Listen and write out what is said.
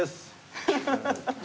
ハハハハ。